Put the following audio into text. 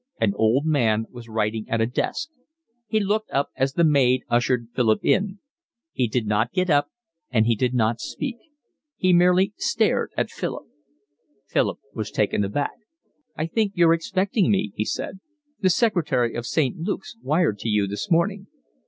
An old man was writing at a desk. He looked up as the maid ushered Philip in. He did not get up, and he did not speak; he merely stared at Philip. Philip was taken aback. "I think you're expecting me," he said. "The secretary of St. Luke's wired to you this morning."